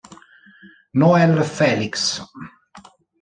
Noel Felix